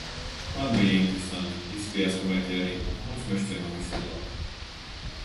Man bija interesanti, izskatījās, ka meitai arī. Mums Mežciemā viss ir labi.